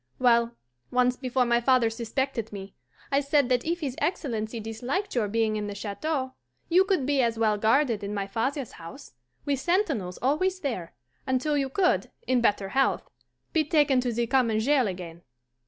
Well, once before my father suspected me, I said that if his Excellency disliked your being in the Chateau, you could be as well guarded in my father's house, with sentinels always there, until you could, in better health, be taken to the common jail again.